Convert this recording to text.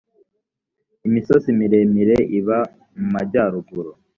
imisozi miremire iba mumajyaruguru.